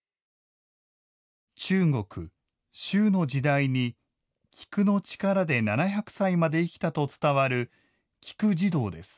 中国・周の時代に、菊の力で７００歳まで生きたと伝わる菊慈童です。